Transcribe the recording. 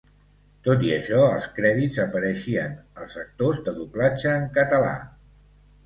Tot i això, als crèdits apareixien els actors de doblatge en català.